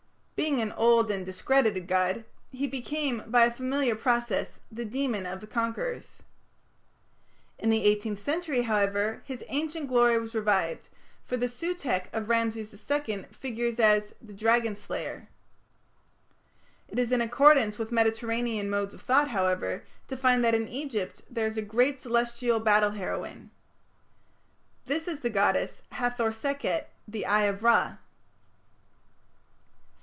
Being an old and discredited god, he became by a familiar process the demon of the conquerors. In the eighteenth dynasty, however, his ancient glory was revived, for the Sutekh of Rameses II figures as the "dragon slayer". It is in accordance with Mediterranean modes of thought, however, to find that in Egypt there is a great celestial battle heroine. This is the goddess Hathor Sekhet, the "Eye of Ra".